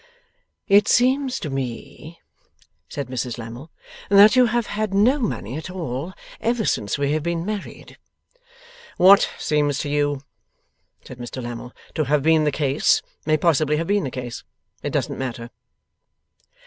'It seems to me,' said Mrs Lammle, 'that you have had no money at all, ever since we have been married.' 'What seems to you,' said Mr Lammle, 'to have been the case, may possibly have been the case. It doesn't matter.